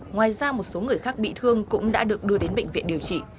ngoài ra một số người khác bị thương cũng đã được đưa đến bệnh viện điều trị